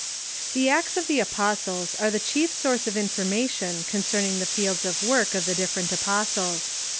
] The Acts of the Apostles are the chief source of informa tion concerning the fields of work of the different apostles.